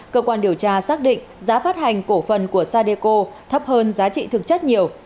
cơ quan điều tra xác định giá phát hành cổ phần của sadeco thấp hơn giá trị thực chất nhiều